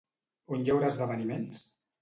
On hi haurà esdeveniments?